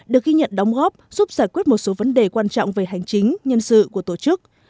được ghi nhận đóng góp giúp giải quyết một số vấn đề quan trọng về hành chính nhân sự của tổ chức